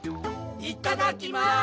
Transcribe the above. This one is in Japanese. いただきます！